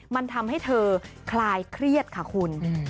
มันทำให้เธอคลายเครียดค่ะคุณ